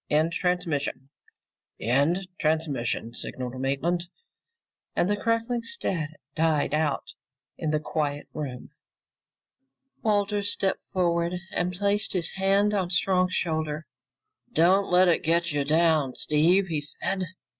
End transmission." "End transmission!" signaled Maitland, and the crackling static died out in the quiet room. Walters stepped forward and placed his hand on Strong's shoulder. "Don't let it get you down, Steve," he said.